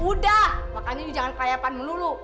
udah makanya iu jangan kelayapan melulu